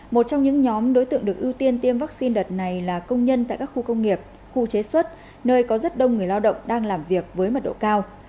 một trong những nhóm đối tượng được ưu tiên tiêm vaccine đợt này là công nhân tại các khu công nghiệp khu chế xuất nơi có rất đông người lao động đang làm việc với mật độ cao